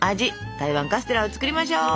台湾カステラを作りましょう。